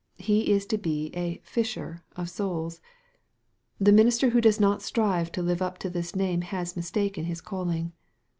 He is to be a " fisher" of souls. The minister who does not strive to live up to this name has mistaken his calling.